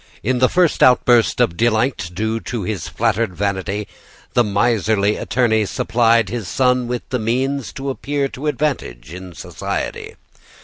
In the first outburst of delight due to his flattered vanity, the miserly attorney supplied his son with the means to appear to advantage in society.